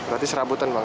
berarti serabutan bang